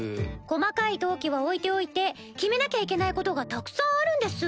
細かい登記は置いておいて決めなきゃいけないことがたくさんあるんです。